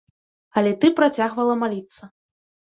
Але ты працягвала маліцца.